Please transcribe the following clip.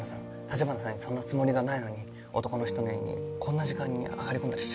城華さんにそんなつもりがないのに男の人の家にこんな時間に上がり込んだりしちゃ。